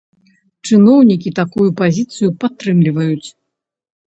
Чыноўнікі такую пазіцыю падтрымліваюць.